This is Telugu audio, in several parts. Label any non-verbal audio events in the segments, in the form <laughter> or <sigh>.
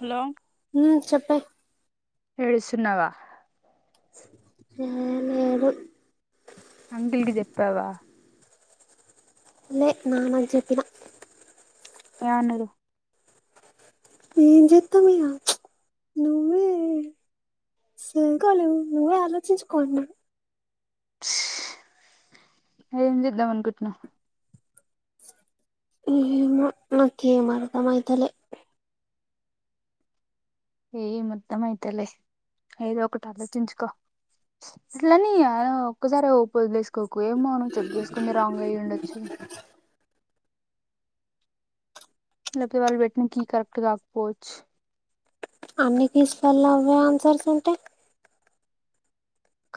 హలో ఉమ్ చెప్పే ఏడుస్తున్నావా ఏం లేదు అంకుల్ కి జెప్పావా లే మామకి జెప్పినా ఏమన్నడు ఏం జెత్తమ్ ఇగ నువ్వే సదువుకోలేవ్ నువ్వే ఆలోచించుకో అన్నాడు చు ఏం చేద్దాం అనుకుంటున్నావ్ ఏమో నాకేమ్ అర్ధమైతలే ఏం అర్ధమైతలే ఏదో ఒకటి ఆలోచించుకో అట్లని ఒక్కసారి వదిలేసుకోకు ఏమో నువ్ చెక్ చేసుకుంది రాంగ్ అయి ఉండొచ్చు లేకపోతే వాళ్ళు పెట్టిన కీ కరెక్ట్ కాకపోవచ్చు అన్ని కీస్లల్ల అవే ఆన్సర్స్ ఉంటే క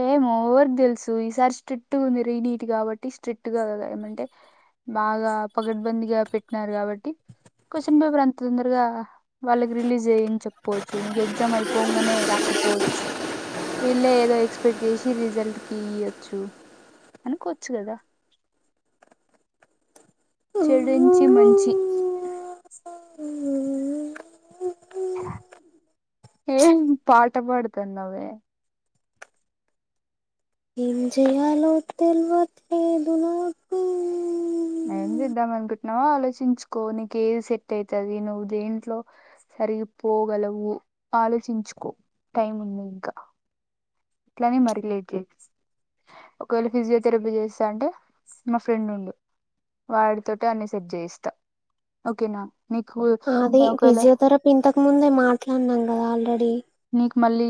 ఏమో ఎవరికి దెలుసు ఈసారి స్ట్రిక్ట్గా ఉంది రీ నీట్ గాబట్టి స్ట్రిక్ట్ గా గదా ఏమంటే బాగా పగడ్బందీగా పెట్టినారు కాబట్టి క్వశ్చన్ పేపర్ అంత తొందరగా వాళ్ళకి రిలీజ్ జేయించక పోవచ్చు మీకు ఎగ్జామ్ అయిపోంగనే రాకపోవచ్చు వీళ్ళే ఏదో ఎక్స్పెక్ట్ చేసి రిజల్ట్ కి ఇయ్యొచ్చు అనుకోవచ్చు గదా చెడించి మంచి ఏ పాట పాడుతున్నవే ఏం జేయాలో తెల్వట్లేదు నాకు ఏం జేద్దాం అనుకుంటున్నావో ఆలోచించుకో నీకు ఏది సెట్ అయితది నువ్వు దేంట్లో కరిగిపోగలవు ఆలోచించుకో టైం ఉంది ఇంకా ఇట్లనే మరీ లేట్ జేస్ ఒకవేళ ఫిజియోథెరపీ చేస్తా అంటే మా ఫ్రెండ్ ఉండు వాడితోటి అన్ని సెట్ జేయిస్తా ఓకేనా నీకు ఒకవేళ ఇంతకుముందే మాట్లాడినాం గదా ఆల్రెడీ నీకు మళ్ళీ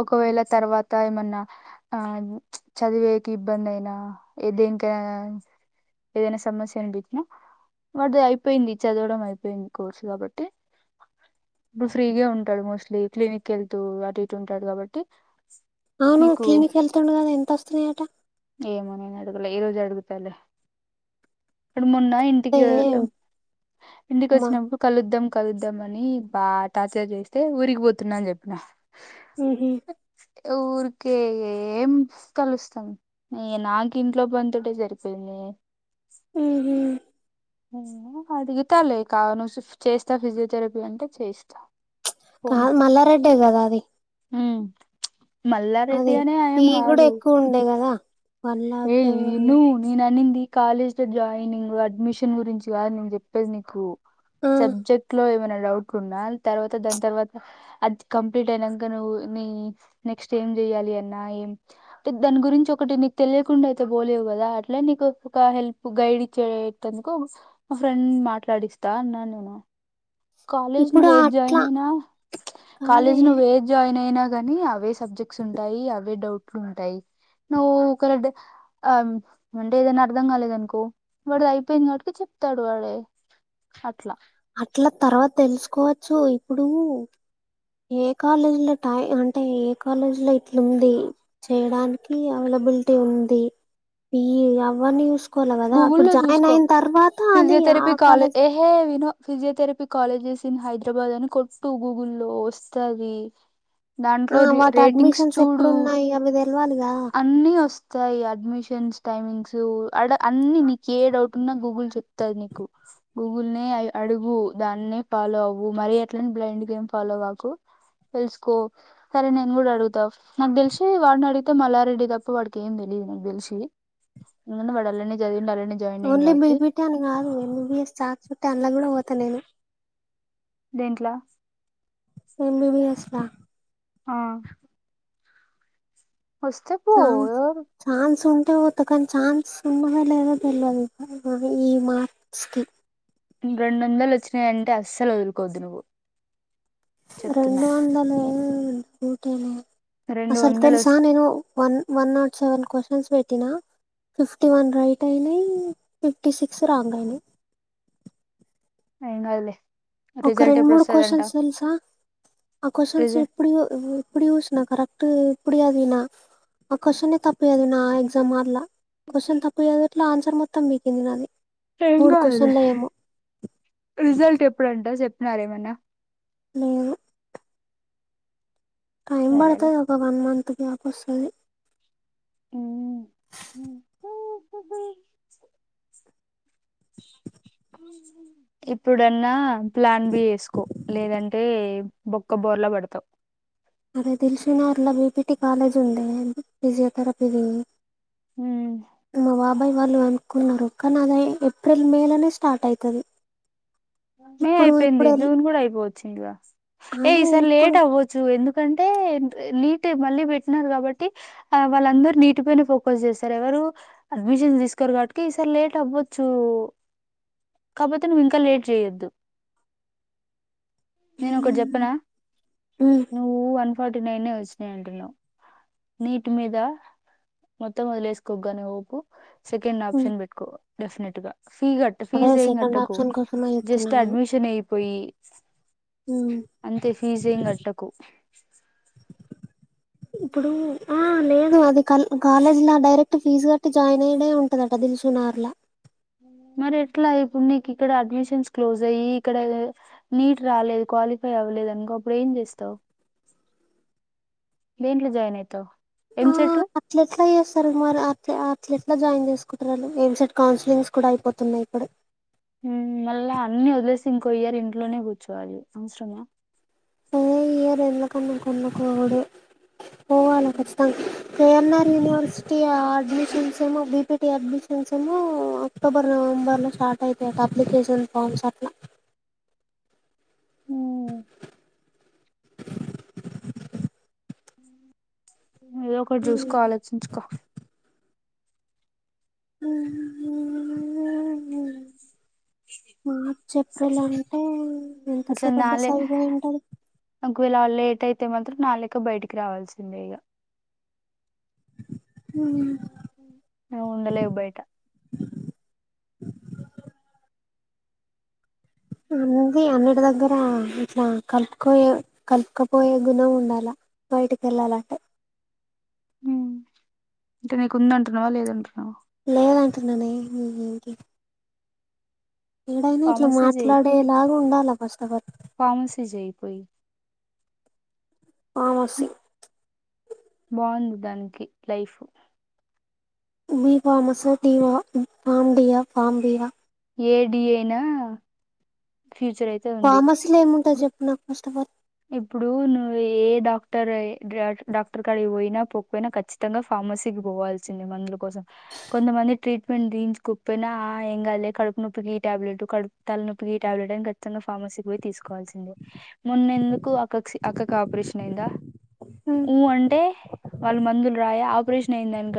ఒకవేళ తర్వాత ఏమన్నా ఆ చదివేకి ఇబ్బంది అయినా ఏ దేనికైనా ఏదైనా సమస్య అని బిటిన్నా వాడిది అయిపోయింది చదవడం అయిపోయింది కోర్సు కాబట్టి ఇప్పుడు ఫ్రీగే ఉంటాడు మోస్ట్లీ క్లీనిక్ వెళ్తూ అటు ఇటు ఉంటాడు కాబట్టి అవును నీకు క్లీనిక్ యెళ్తుండు గదా ఎంత వస్తున్నాయట ఏమో నేను అడగలే ఈ రోజు అడుగుతాలే వాడు మొన్న ఇ అదే ఇంటికా ఇంటికి మా వచ్చిన నప్పుడు కలుద్దాం కలుద్దాం అని బాగ టార్చర్ చేస్తే ఊరికిపోతున్నా అని చెప్పిన ఉమ్ హు ఊరికే ఏం కలుస్తాం నీ నాకు ఇంట్లో పనితోటే సరిపోయింది హ్మ్ హు అడుగుతా లే కా నువ్ షిప్చేస్త ఫిజియోథెరపీ అంటే చేస్తా ఫోన్ కాద్ మల్లారెడ్డే గదా అది ఉమ్ మల్లారెడ్డి అనే ఏమ్ గాదు అంతే గదా ఏయ్ విను నేనన్నింది కాలేజ్ లో జాయినింగ్ అడ్మిషన్ గురించి గాద్ నేన్ చెప్పేద్ నీకు ఆ సబ్జెక్ ఇంట్లో ఏమనా డౌట్ ఉన్నా తర్వాత దాన్ తర్వాత అది కంప్లీట్ అయినంక నువ్వు నీ నెక్స్ట్ ఏం చెయాలి అన్నా ఏం టే దాన్ గురించి ఒకటి నీక్ తెలియకుండా అయితే బోలేవు కదా అట్లే నీకు ఒక హెల్ప్ గైడ్ ఇచ్చేటందుకు మా ఫ్రెండ్ మాట్లాడిస్తా అన్నానేమో కాలేజ్ ఇప్పుడు నువ్వేద్ జాయిన్ అట్లా అయినా కాలేజ్ కాదే నువ్వేద్ జాయిన్ అయినా గాని అ అవే సబ్జెక్ట్స్ ఉంటాయి అవే డౌట్లు ఉంటయ్ నువ్వు ఒక డె ఆమ్ అంటే ఏదైన అర్థం కాలేదనుకో వాడు అయిపోయిందటుకు చెప్తాడు వాడే అట్ల అట్ల తర్వాత తెలుసుకోవచ్చు ఇప్పుడు ఏ కాలేజీలో టై అంటే ఏ కాలేజ్ లో ఇట్లుంది చేయడానికి అవైలబిల్టీ ఉంది ఈ ఎవరిని చూస్ కోల కదా అప్పుడు గూగుల్లో జాయిన్ చూసుకో అయిన్ తర్వాత అది ఆ కాలేజ్ ఏ విను ఫిజియోథెరపీ కాలేజెస్ ఇన్ హైదరాబాద్ అని కొట్టు గూగుల్లో వస్తది ఆ దాంట్లో రె వాటి రేటింగ్స్ అడ్మిషన్స్ చూడు అ ఎప్పుడున్నాయి అవి తెలవాలి కదా అన్ని వస్తాయ్ అడ్మిషన్స్ టైమింగ్స్ ఆడ అన్ని నీక్ ఏ డౌట్ అన్న గూగుల్ చెప్తాది నీకు గూగుల్ నే ఆ అడుగు దాన్నే ఫాలో అవ్వు మరీ ఎట్ల బ్లైండ్ గా ఏం ఫాలో కాకు తెల్సుకో సరే నేన్ కూడా అడుగుతా నాక్ తెలిసి వాడ్ నడిగితే మల్లారెడ్డి తప్ప వాడికి ఏం తెలీదు నాక్ తెలిసి ముందు వాడ్ అండ్లనే జదివిండు అండ్లనే ఓన్లీ బిబిట్ అన్నారు ఎం బి. బి ఎస్ చాన్సుంటే అండ్ల గూడ పోత నేను దేంట్ల ఏం. బి. బి. ఎస్స్లా ఆ వస్తే పో ఛాన్స్ ఛాన్స్ ఉంటే వోతకాని ఛాన్స్ ఉన్నదో లేదో తెల్వదు ఆ ఈ మార్క్స్ కి రెండొందలు వచ్చినాయంటే అస్సల్ వదులుకోవద్దు నువ్వు చెప్తున్నా రెండు వందలు <unintelligible> రెండు అసల్ వందలు తెలుసా వస్ నేను one one not seven questions పెట్టినా ఫిఫ్టీ వన్ రైట్ అయినయ్ ఫిఫ్టీ సిక్స్ రాంగ్ అయినయ్ ఎం గాదులే ఒక రెండు మూడు క్వశ్చన్స్ తెలుసా ఆ క్వశ్చన్స్ రిజల్ట్ ఇప్పుడు ఉ ఇప్పుడు చూసిన కరెక్ట్ ఇప్పుడు చదివిన ఆ క్వశ్చన్నే తప్పు చదివిన ఆ ఎగ్జామ్ హాల్ ల క్వశ్చన్ తప్పు చదువుట్ల ఆన్సర్ మొత్తం పీకింది నాది ఏం మూడు గాదులే క్వశ్చన్లో ఏమో రిజల్ట్ ఎప్పుడంట జెప్పినార ఏమన్నా లేవు టైమ్ సరేలే పడతది ఒక వన్ మంత్ గ్యాప్ వస్తది. ఊ ఇప్పుడన్నా ప్లాన్ బి ఏస్కో లేదంటే బొక్క బోర్లా పడతవ్ అదే దిల్షుక్ నగర్ లో బిపిటి కాలేజ్ ఉందే ఫిజియోథెరపిదీ. హ్మ్ మా బాబాయ్ వాళ్ళు అనుకున్నరు కానీ అద ఏప్రిల్ మే లోనే స్టార్ట్ అయితది. మే అయిపోయింది జూన్ కూడా అయిపోవచ్చిందిగా ఏ అదే ఈసారి ఇప్పుడు లేట్ అవ్వొచ్ చ్చూ ఎందుకంటే నీట్ మళ్ళీ పెట్టినారు కాబట్టి. ఆ వాళ్ళందరూ నీటిపైనే ఫోకస్ చేస్తరు ఎవరూ. అడ్మిషన్స్ తీసుకోరు గాబట్టికీ ఈసారి లేట్ అవ్వొచ్చూ. కాకపోతే నువ్ ఇంకా లేట్. చేయద్దు నేను ఒకటి ఉమ్, చెప్పనా ఉమ్, నువ్వు వన్ ఫార్టీ నైనే వచ్చినయి అంటున్నావు. నీట్ మీదా మొత్తం వదిలేసుకోకుగాని సోంపు. సెకెండ్ ఉమ్. ఆప్షన్ బెట్కో డెఫినెట్ గా ఫీ కట్ ఫీస్ ఏం గట్టకు. ఇంక హోపున్నాయే జస్ట్ అడ్మిషన్ అయిపోయి ఉమ్. అంతే ఫీజ్ ఏం గట్టకు. ఇప్పుడూ ఆ లేదు అది కల్ కాలేజ్లా డైరెక్ట్ ఫీజు కట్టి జాయిన్ అయ్యుడే ఉంటదట దిల్షుక్ నగర్ లా. మరి ఎట్లా ఇప్పుడు నీకు ఇక్కడా అడ్మిషన్స్ క్లోజ్ అయ్యీ ఇక్కడా నీట్ రాలేదు క్వాలిఫై అవ్వలేదు అనుకో అప్పుడు ఏం చేస్తావు. దేంట్లో జాయిన్ అయితావు ఎమ్ సెట్టు. అట్లాఎట్ల చేస్తారు మరి అట్ల అట్ల ఎట్లా జాయిన్ చేసుకుంటరు ఆళ్ళు ఏం సెట్ కౌన్సిలింగ్స్ కూడా అయిపోతున్నాయి ఇప్పుడే. హ్మ మళ్ళా అన్నీ వదిలేసి ఇంకో ఇయ్యరు ఇంట్లోనే కూర్చోవాలి అవసరమా. అదే ఇయర్ ఎందుకమ్మా కొనుక్కోవుడు పోవాలా ఖచ్చతంగ్ కేఎన్ఆర్ యూనివర్సిటీ అడ్మిషన్స్ ఏమో బిపిటి అడ్మిషన్స్ ఏమో అక్టోబర్ నవంబర్ లో స్టార్ట్ అయితాయట అప్లికేషన్ ఫామ్స్ అట్లా. ఏదో ఒకటి చూసుకో ఆలోచించుకో మార్చ్ ఏప్రిల్ అన్ అట్లా నాళే ఒకవేళా లేట్ అయితే మాత్రం నాలెక్క బయటికి రావాల్సిందే ఇగా ఊహు ఏ ఉండలేవు బయటా ఉంది అన్నిటి దగ్గరా ఇట్లా కలుపుకోయే కలుపుకపోయే గుణం ఉండాలా బయటికి ఎళ్ళాలంటే. అంటే నీకుందంటున్నవా లేదంటున్నవా. లేదంటున్ననే నీ ఎంకి ఏడైనా ఇట్లా ఫార్మసీ చేయి మాట్లాడేలాగా ఉండాలా ఫస్ట్ ఆఫ్ ఆల్. ఫార్మసీ జేయి పోయి ఫార్మసి బాగుంది దానికి లైఫు డీ ఫార్మసీ ఆ టీవా ఫార్మ్ డీ ఆ ఫార్మ్ బీ ఆ. ఏడీ అయినా ఫ్యూచర్ అయిత్ ఫార్మసీలో ఏముంటాది చెప్పు నాకు ఫస్ట్ ఫల్. ఇప్పుడు నువ్వు ఏ డాక్టర్ డాక్టర్ కాడకి పోయినా పోకపోయినా ఖచ్చిత్. తంగా ఫార్మసీకి పోవాల్సింది మందుల కోసం. కొంతమంది ట్రీట్మెంట్ తీయించుకపోయినా ఆ ఏం కాదల్ కడుపు నొప్పికి ఈ టాబ్లెట్ కడుపు. తలనొప్పి కి ఈ టాబ్లెట్ అని ఖచ్చితంగా ఫార్మసీకి పోయి తీసుకోవాల్సింది మొన్నెందుకు. అక్క అక్కకు ఆపరేషన్ అయిందా. ఆ. నువు అంటే వాళ్ళు మందులు రాయి ఆపరేషన్ అయిందని.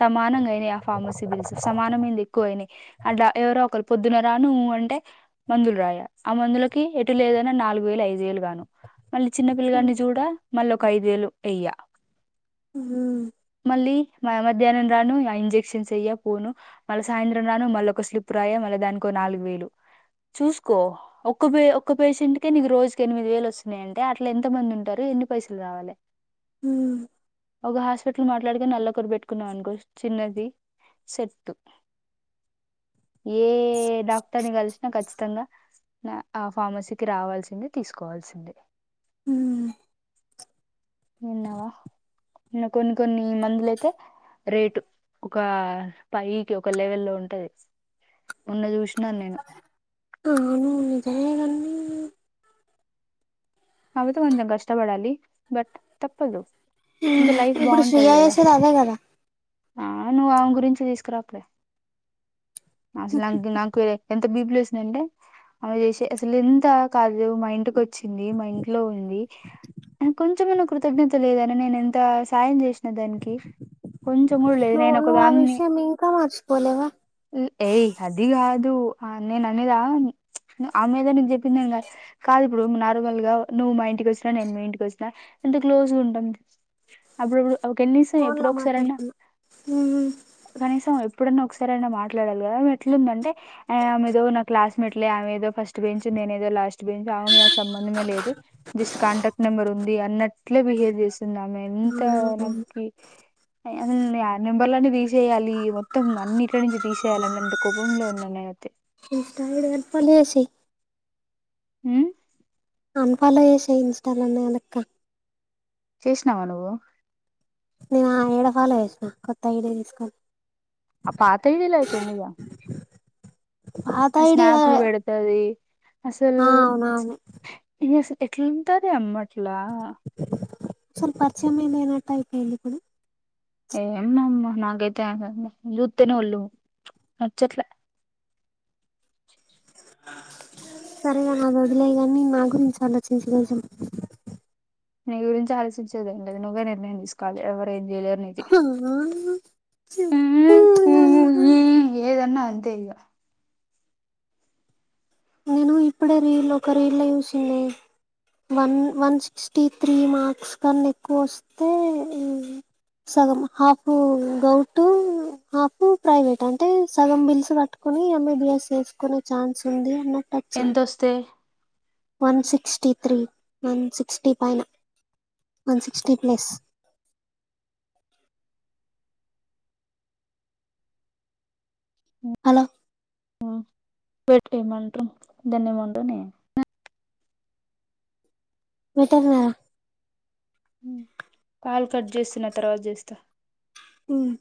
సమానంగా అయినాయి ఆ ఫార్మసీ బిల్స్ సమానమేంది ఎక్కువ అయినాయి. అట్ల ఎవరో ఒకరు పొద్దున రాను ఉ అంటే. మందులు రాయా ఆ మందులకి ఎటు లేదన్నా నాలుగు వేలు ఐదు వేలు కాగా. అ మళ్ళీ చిన్న పిల్లగాడ్ని చూడ మళ్ళీ ఒక ఐదు వేలు వెయ్యా. ఉమ్మ్. మళ్ళీ మ మధ్యాహ్నం రాను ఆ ఇంజెక్షన్ చెయ్యా పోను. మళ్ళా సాయంత్రం రాను మళ్ళీ ఒక స్లిప్పు రాయ మళ్ళీ దానికి ఒక నాలుగు వేలు. చూసుకో ఒక్క పే ఒక్క పేషెంట్ కే నీకు రోజుకి ఎనిమిది వేలు వస్. వచ్చినాయ్ అంటే అట్ల ఎంత మంది ఉంటారు ఎన్ని పైసలు రావాలే. ఉమ్. ఒక హాస్పిటల్ మాట్లాడుకొని నల్లొరు పెట్టుకున్నాం అనుకో చిన్నది. సెట్టు. ఏ డాక్టర్ ని కలిసినా ఖచ్చితంగా. ఆ ఫార్మసీకి రావాల్సిందే తీసుకోవాల్సిందే. ఉమ్మ్. విన్నావా ఇంకా కొన్ని కొన్ని మందులైతే. రేటు ఒక పైకి ఒక లెవెల్ లో ఉంటది. మొన్న చూసినాను నేను. ఆ అవును నిజమే. కానీ కాపోతే కొంచెం కష్టపడాలి బట్ తప్పదు ఇంక లైఫ్ ఇప్పుడు బాగుంటది శ్రీయ కదా. చేసేది అదే కదా. ఆ నువ్వు ఆమె గురించి తీసుకురాకులే. అసలు ఆమెకు నాకు ఎంత బీపీ లేసిందాంటే. ఆమె చేసే అసలు ఎంత కాదు మా ఇంటికి వచ్చింది మా ఇంట్లో ఉంది. అహ కొంచెం అన్నా కృతజ్ఞత లేదనే నేను ఎంత సాయం చేసిన దానికి. కొంచెం కూడ లేదు నువ్వు నేను నువ్వు ఆ ఒకదాన్ని. విషయం ఇంకా మర్చిపోలేవా ఏయ్ అది కాదు అ నేను అనేద ప్చ్ ఆమేదో నీకు చెప్పిందని కాదు. కాదు ఇప్పుడు నార్మల్ గా నువ్వు మా ఇంటికి వచ్చినా నేను మీ ఇంటికి వచ్చిన ఎంత క్లోజ్ గా ఉంటాం. అప్పుడప్పుడు. ఒక కనీసం ఫోన్ ఎప్పుడో లో ఒకసారన్నా మాట్లాడుతున్నా ఉమ్మ్. కనీసం ఎప్పుడన్నా ఒకసారియినా మాట్లాడాలి కదా ఆమె ఎట్లుందంటే ఆ మీరేదో నా క్లాస్. ఉండట్లే ఆమె ఏదో ఫస్ట్ బెంచ్ నేనే ఏదో లాస్ట్ బెంచ్ ఆమెకు నాకు సంబంధమే లేదు. జస్ట్ కాంటాక్ట్ నెంబర్ ఉంది అన్నట్లే బిహేవ్ చేస్తుందామె ఎంత అవునా నాకి. అసలు ఆ నెంబర్లన్నీ తీసేయాలి మొత్తం అన్నిట్లోనుంచి తీసేయాలి అన్నంత కోపంలో ఉన్నా నేను అయితే. ఇస్టా లో ఎల్ పల్ చేసెయ్. ఉమ్. అన్ఫాలో చేసెయ్ ఇన్స్టాలోనే వెనక్క. చేసినావా నువ్వు నేను ఆమెను ఏడ ఫాలో చేసిన కొత్త ఐడియా తీసుకొని ఆ పాత ఐడి లో ఐతే ఉందిగా పాత ఆ ఐడి స్నాప్లు పెడు అది అసలు అవునవును ఇ అసలు ఎట్లాంటదే అమ్మ అట్లా అసల్ పరిచయమే లేనట్టు ఐపోయింది ఇప్పుడు ఏందమ్మ నాకైతే ఆమెను చూస్తేనే వళ్ళు నచ్చట్లే ఇంకా అది వదిలేయ్ గాని నా గురించి ఆలోచించు రోజు నీ గురించి ఆలోచించేది ఏంలేదు నువ్వే నిర్ణయం తీసుకోవాలి ఎవ్వరు ఏం చేయలేరు ఇది హ్మ్ మ్మ్ ఈ ఏదన్నా అంతే ఇక నేను ఇప్పుడే రీల్ ఒక రీల్ లో చూసిన్నే one one sixty three marks కన్నా ఎక్కువస్తే సగం హాఫ్ గౌర్ట్ హాఫ్ ప్రైవేట్ అంటే సగం బిల్స్ కట్టు ని ఎంబీబీఎస్ చేేసుకునే ఛాన్స్ ఉంది అన్నట్ ఎంతొస్తే one sixty three one sixty పైన వన్ సిక్స్టీ ప్లస్ అలా పెట్టేయ్ మంత్రం దాన్ని ఏమంటనే మటర్నా కాలు కట్ చేస్తున్న తర్వాత చేస్తా హ్మ్